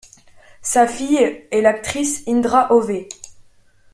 Sa fille est l'actrice Indra Ové.